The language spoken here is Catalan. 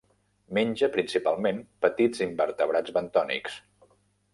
Menja principalment petits invertebrats bentònics.